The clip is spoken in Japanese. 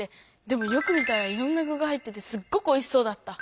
でもよく見たらいろんな具が入っててすっごくおいしそうだった！